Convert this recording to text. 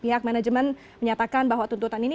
pihak manajemen menyatakan bahwa tuntutan ini